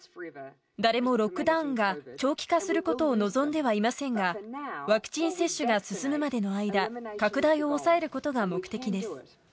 誰もロックダウンが長期化することを望んではいませんが、ワクチン接種が進むまでの間、拡大を抑えることが目的です。